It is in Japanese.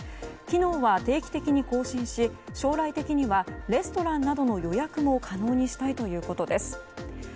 機能は定期的に更新し将来的にはレストランなどの予約も可能にしたいということです。